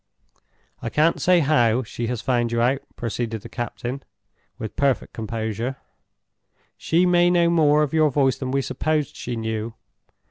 "I can't say how she has found you out," proceeded the captain, with perfect composure. "She may know more of your voice than we supposed she knew.